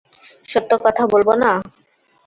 সত্য কথা বলব না?